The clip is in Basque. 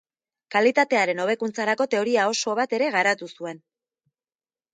Kalitatearen hobekuntzarako teoria oso bat ere garatu zuen.